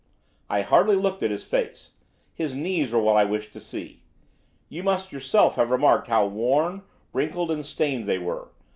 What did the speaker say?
I hardly looked at his face. His knees were what I wished to see. You must yourself have remarked how worn, wrinkled, and stained they were.